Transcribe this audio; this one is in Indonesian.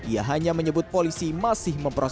ia hanya menyebutkan agus tidak menjelaskan kapan memanggil kc